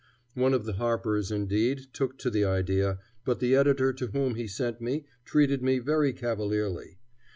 One of the Harpers, indeed, took to the idea, but the editor to whom he sent me treated me very cavalierly.